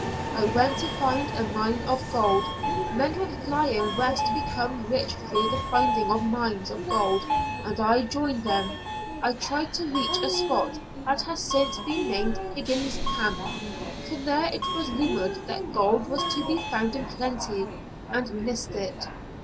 I went to find a mine of gold. Men were flying West to become rich through the finding of mines of gold, and I joined them. I tried to reach a spot that has since been named Higgins' Camp, for there it was rumored that gold was to be found in plenty, and missed it.